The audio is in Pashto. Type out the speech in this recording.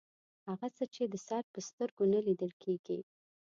هغه څه چې د سر په سترګو نه لیدل کیږي